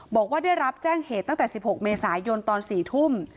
บอกว่าได้รับแจ้งเหตุตั้งแต่๑๖เมษายนตอน๔ทุ่ม